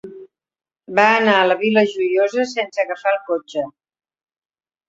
Va anar a la Vila Joiosa sense agafar el cotxe.